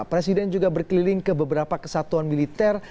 presiden juga berkeliling ke beberapa kesatuan militer